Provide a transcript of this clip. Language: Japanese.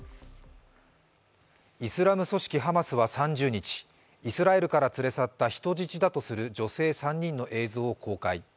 イスラム組織ハマスは３０日、イスラエルから連れ去った人質だとする女性３人の映像を公開。